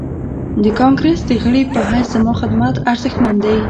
د کانګريس د غړي په حيث زما خدمت ارزښتمن دی.